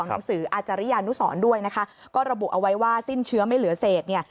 หนังสืออาจารยานุสรด้วยนะคะก็ระบุเอาไว้ว่าสิ้นเชื้อไม่เหลือเศษเนี่ย